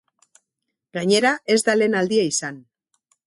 Gainera, ez da lehen aldia izan.